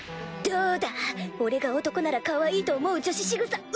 どうだ俺が男ならかわいいと思う女子しぐさ。